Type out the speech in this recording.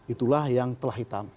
itulah yang telah hitam